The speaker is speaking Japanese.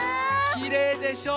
きれいでしょ？